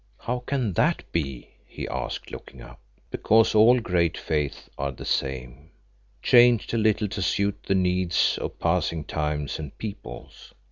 "How can that be?" he asked, looking up. "Because all great Faiths are the same, changed a little to suit the needs of passing times and peoples.